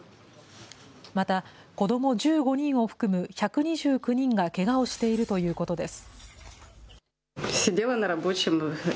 また子ども１５人を含む１２９人がけがをしているということです。